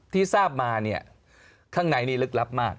ที่ทราบมาเนี่ยข้างในนี่ลึกลับมาก